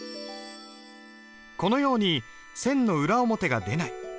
このように線の裏表が出ない。